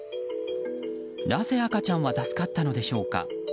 なぜ赤ちゃんは助かったのでしょうか。